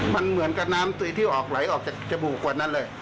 มันเหมือนกับน้ำตัวเองที่ออกไหลออกจากจมูกกว่านั้นเลย